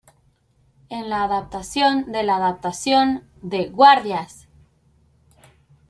En la adaptación de la adaptación de "¡Guardias!